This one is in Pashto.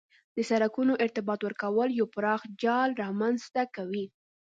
د سرکونو ارتباط ورکول یو پراخ جال رامنځ ته کوي